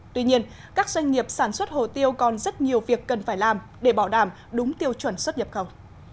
tuy nhiên các doanh nghiệp sản xuất hồ tiêu còn rất nhiều việc cần phải làm để bảo đảm đúng tiêu chuẩn xuất nhập khẩu